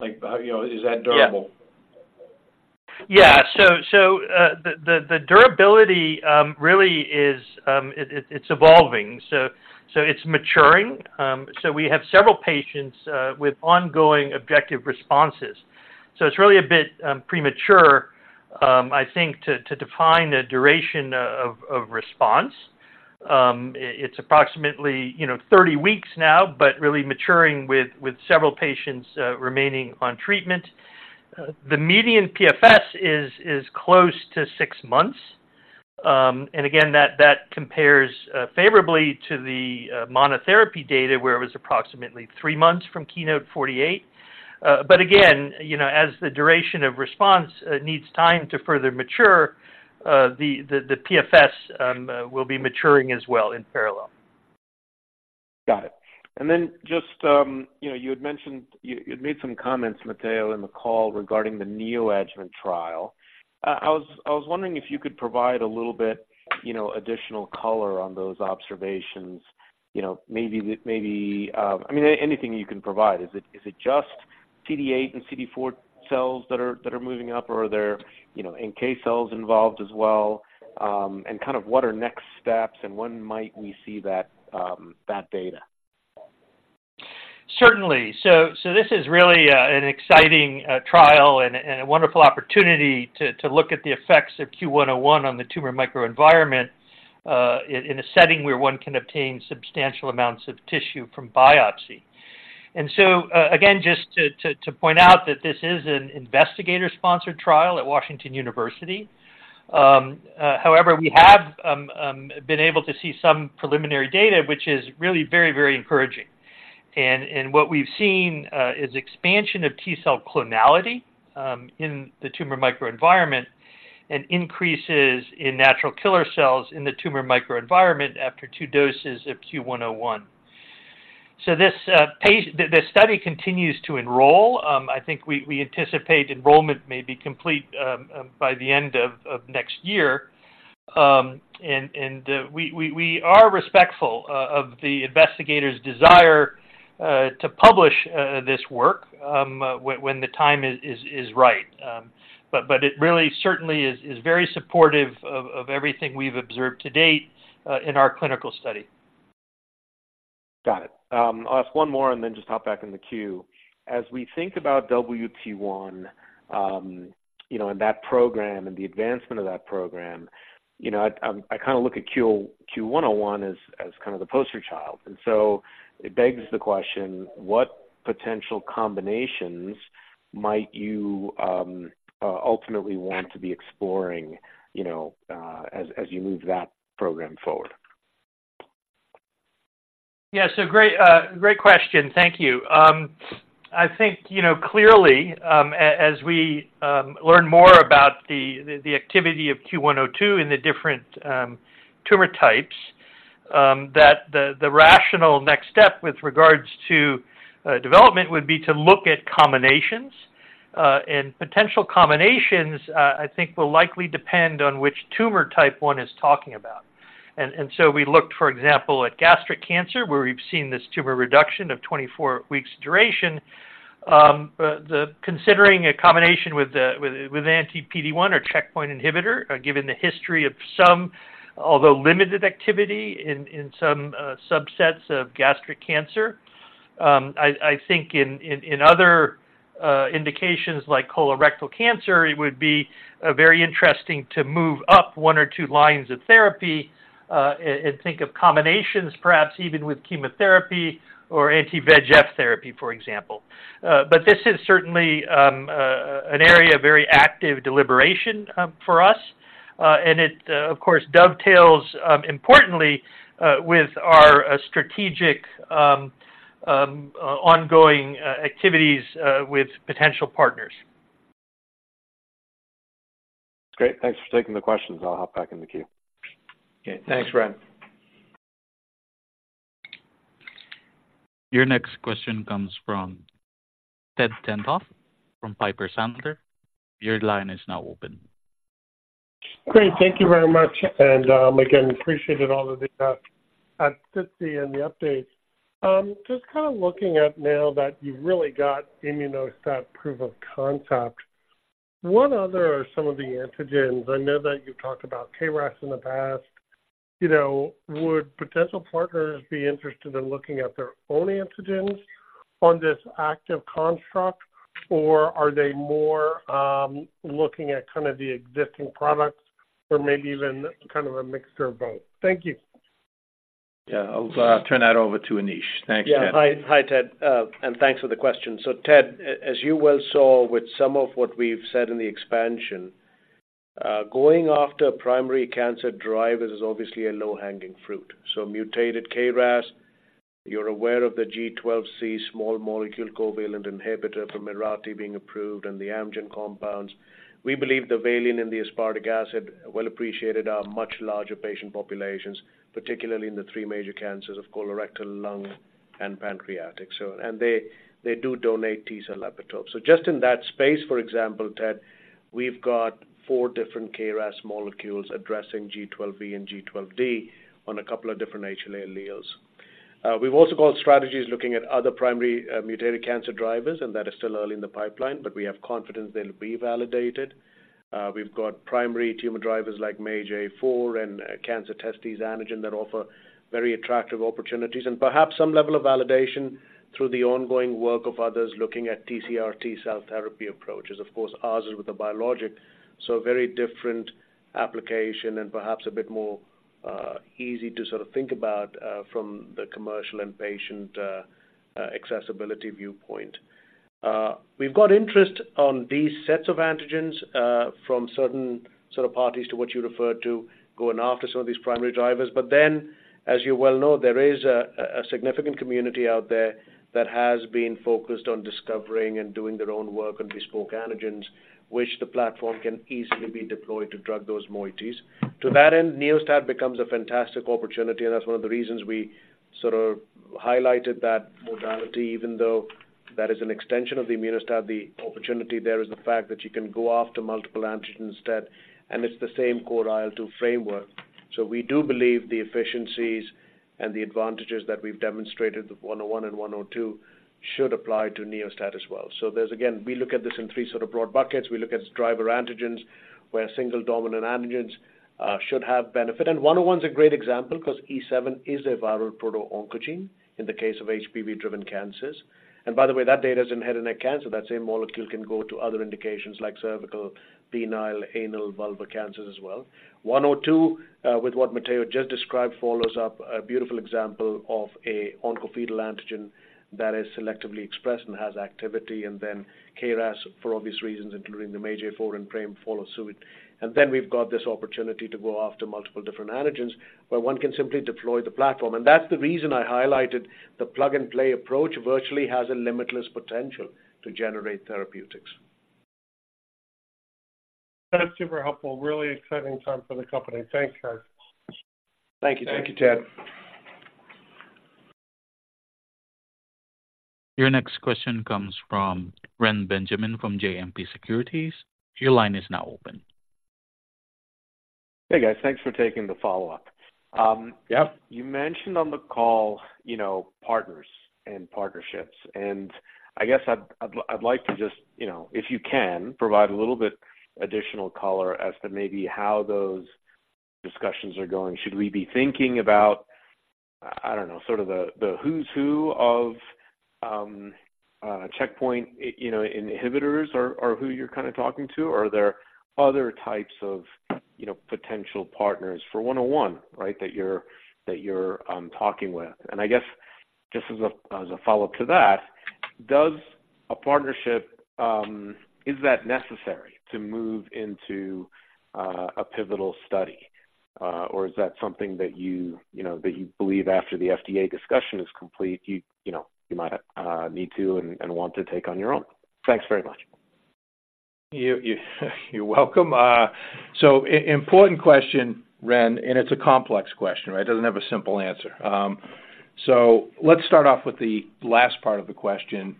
Like, you know, is that durable? Yeah. The durability really is, it's evolving. So it's maturing. So we have several patients with ongoing objective responses. So it's really a bit premature, I think, to define the duration of response. It's approximately, you know, 30 weeks now, but really maturing with several patients remaining on treatment. The median PFS is close to 6 months. And again, that compares favorably to the monotherapy data, where it was approximately 3 months from KEYNOTE-048. But again, you know, as the duration of response needs time to further mature, the PFS will be maturing as well in parallel. Got it. And then just, you know, you had mentioned... You, you'd made some comments, Matteo, in the call regarding the neoadjuvant trial. I was, I was wondering if you could provide a little bit, you know, additional color on those observations, you know, maybe with, maybe-- I mean, anything you can provide. Is it, is it just CD8 and CD4 cells that are, that are moving up, or are there, you know, NK cells involved as well? And kind of what are next steps, and when might we see that, that data? Certainly. So, this is really an exciting trial and a wonderful opportunity to look at the effects of CUE-101 on the tumor microenvironment in a setting where one can obtain substantial amounts of tissue from biopsy. So, again, just to point out that this is an investigator-sponsored trial at Washington University. However, we have been able to see some preliminary data, which is really very encouraging. And what we've seen is expansion of T cell clonality in the tumor microenvironment and increases in natural killer cells in the tumor microenvironment after two doses of CUE-101. So, the study continues to enroll. I think we anticipate enrollment may be complete by the end of next year. We are respectful of the investigator's desire to publish this work when the time is right. It really certainly is very supportive of everything we've observed to date in our clinical study. Got it. I'll ask one more and then just hop back in the queue. As we think about WT1, you know, and that program and the advancement of that program, you know, I kind of look at CUE-101 as kind of the poster child, and so it begs the question, what potential combinations might you ultimately want to be exploring, you know, as you move that program forward? Yeah, so great, great question. Thank you. I think, you know, clearly, as we learn more about the activity of CUE-102 in the different tumor types, that the rational next step with regards to development would be to look at combinations. And potential combinations, I think will likely depend on which tumor type one is talking about. And so we looked, for example, at gastric cancer, where we've seen this tumor reduction of 24 weeks duration. Then considering a combination with anti-PD-1 or checkpoint inhibitor, given the history of some, although limited activity in some subsets of gastric cancer. I think in other indications like colorectal cancer, it would be very interesting to move up one or two lines of therapy, and think of combinations, perhaps even with chemotherapy or anti-VEGF therapy, for example. But this is certainly an area of very active deliberation, for us. ... and it, of course, dovetails importantly with our strategic ongoing activities with potential partners. Great. Thanks for taking the questions. I'll hop back in the queue. Okay. Thanks, Brent. Your next question comes from Ted Tenthoff from Piper Sandler. Your line is now open. Great. Thank you very much, and again, appreciated all of the at SITC and the updates. Just kind of looking at now that you've really got Immuno-STAT proof of concept, what other are some of the antigens? I know that you've talked about KRAS in the past. You know, would potential partners be interested in looking at their own antigens on this active construct, or are they more looking at kind of the existing products or maybe even kind of a mixture of both? Thank you. Yeah, I'll turn that over to Anish. Thanks, Ted. Yeah. Hi. Hi, Ted, and thanks for the question. So Ted, as you well saw with some of what we've said in the expansion, going after primary cancer drivers is obviously a low-hanging fruit. So mutated KRAS, you're aware of the G12C small molecule covalent inhibitor from Mirati being approved and the Amgen compounds. We believe the valine and the aspartic acid well appreciated are much larger patient populations, particularly in the three major cancers of colorectal, lung, and pancreatic. And they do donate T cell epitopes. So just in that space, for example, Ted, we've got four different KRAS molecules addressing G12V and G12D on a couple of different HLA alleles. We've also got strategies looking at other primary mutated cancer drivers, and that is still early in the pipeline, but we have confidence they'll be validated. We've got primary tumor drivers like MAGE-A4 and cancer-testis antigen that offer very attractive opportunities and perhaps some level of validation through the ongoing work of others looking at TCR T cell therapy approaches. Of course, ours is with the biologic, so a very different application and perhaps a bit more easy to sort of think about from the commercial and patient accessibility viewpoint. We've got interest on these sets of antigens from certain sort of parties to what you referred to, going after some of these primary drivers. But then, as you well know, there is a significant community out there that has been focused on discovering and doing their own work on bespoke antigens, which the platform can easily be deployed to drug those moieties. To that end, Neo-STAT becomes a fantastic opportunity, and that's one of the reasons we sort of highlighted that modality, even though that is an extension of the Immuno-STAT. The opportunity there is the fact that you can go after multiple antigens instead, and it's the same core IL-2 framework. So we do believe the efficiencies and the advantages that we've demonstrated with CUE-101 and CUE-102 should apply to Neo-STAT as well. So there's, again, we look at this in three sort of broad buckets. We look at driver antigens, where single dominant antigens should have benefit. And CUE-101 is a great example because E7 is a viral proto-oncogene in the case of HPV-driven cancers. And by the way, that data is in head and neck cancer. That same molecule can go to other indications like cervical, penile, anal, vulvar cancers as well. 102, with what Matteo just described, follows up a beautiful example of a oncofetal antigen that is selectively expressed and has activity, and then KRAS, for obvious reasons, including the MAGE-A4 and PRAME follow suit. And then we've got this opportunity to go after multiple different antigens, where one can simply deploy the platform. And that's the reason I highlighted the plug-and-play approach, virtually has a limitless potential to generate therapeutics. That's super helpful. Really exciting time for the company. Thank you. Thank you. Thank you, Ted. Your next question comes from Ren Benjamin from JMP Securities. Your line is now open. Hey, guys. Thanks for taking the follow-up. Yep. You mentioned on the call, you know, partners and partnerships, and I guess I'd like to just, you know, if you can, provide a little bit additional color as to maybe how those discussions are going. Should we be thinking about, I don't know, sort of the, the who's who of checkpoint, you know, inhibitors or, or who you're kind of talking to? Or are there other types of, you know, potential partners for 101, right, that you're talking with? And I guess, just as a, as a follow-up to that, does a partnership is that necessary to move into a pivotal study? Or is that something that you, you know, that you believe after the FDA discussion is complete, you, you know, you might need to and want to take on your own? Thanks very much. You're welcome. So important question, Ren, and it's a complex question, right? It doesn't have a simple answer. So let's start off with the last part of the question.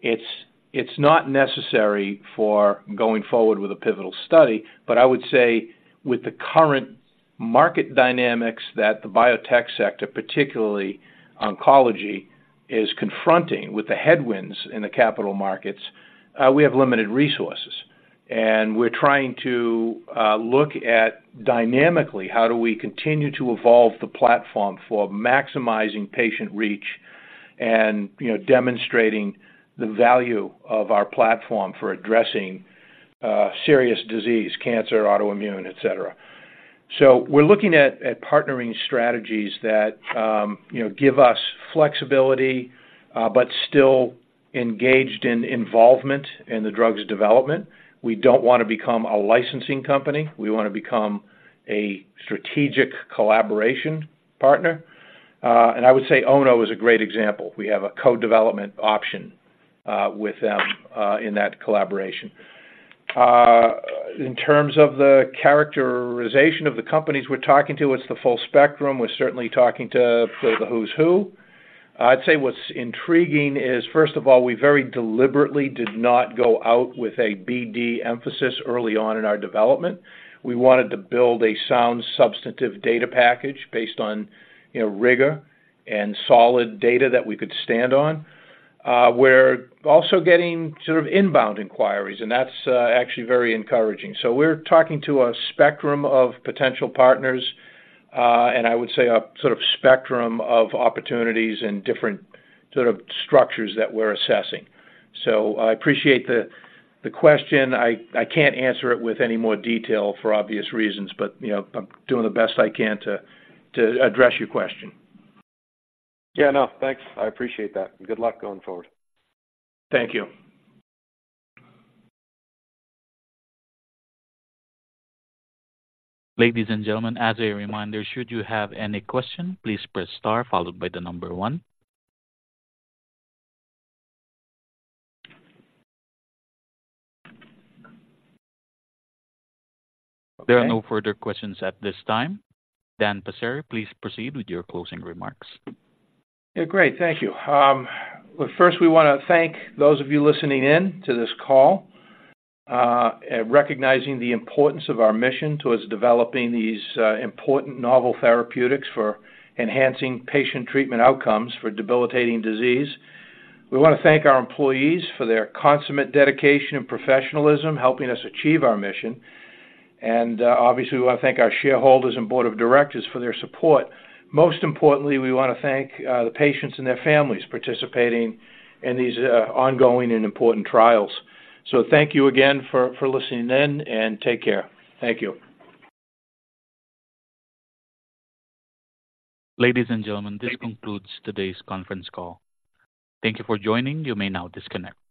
It's not necessary for going forward with a pivotal study, but I would say with the current market dynamics that the biotech sector, particularly oncology, is confronting with the headwinds in the capital markets, we have limited resources. And we're trying to look at dynamically, how do we continue to evolve the platform for maximizing patient reach and, you know, demonstrating the value of our platform for addressing serious disease, cancer, autoimmune, et cetera. So we're looking at partnering strategies that, you know, give us flexibility, but still engaged in involvement in the drug's development. We don't want to become a licensing company. We want to become a strategic collaboration partner. And I would say Ono is a great example. We have a co-development option with them in that collaboration. In terms of the characterization of the companies we're talking to, it's the full spectrum. We're certainly talking to the who's who. I'd say what's intriguing is, first of all, we very deliberately did not go out with a BD emphasis early on in our development. We wanted to build a sound, substantive data package based on, you know, rigor and solid data that we could stand on. We're also getting sort of inbound inquiries, and that's actually very encouraging. So we're talking to a spectrum of potential partners, and I would say a sort of spectrum of opportunities and different sort of structures that we're assessing. So I appreciate the question. I can't answer it with any more detail for obvious reasons, but, you know, I'm doing the best I can to address your question. Yeah, I know. Thanks. I appreciate that. Good luck going forward. Thank you. Ladies and gentlemen, as a reminder, should you have any question, please press star followed by the number 1. There are no further questions at this time. Dan Passeri, please proceed with your closing remarks. Yeah, great. Thank you. Well, first, we wanna thank those of you listening in to this call, recognizing the importance of our mission towards developing these important novel therapeutics for enhancing patient treatment outcomes for debilitating disease. We want to thank our employees for their consummate dedication and professionalism, helping us achieve our mission. And, obviously, we want to thank our shareholders and board of directors for their support. Most importantly, we want to thank the patients and their families participating in these ongoing and important trials. So thank you again for listening in, and take care. Thank you. Ladies and gentlemen, this concludes today's conference call. Thank you for joining. You may now disconnect.